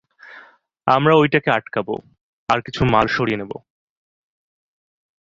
আমরা ঐটাকে আটকাব, আর কিছু মাল সরিয়ে নেব।